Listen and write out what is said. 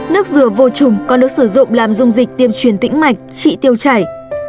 nước rửa vô trùng còn được sử dụng làm dung dịch tiêm truyền tĩnh mạch trị tiêu chảy